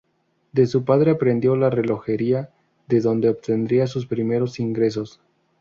De su padre aprendió la relojería de donde obtendría sus primeros ingresos.